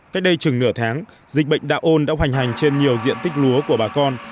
cách đây chừng nửa tháng dịch bệnh đạo ôn đã hoành hành trên nhiều diện tích lúa của bà con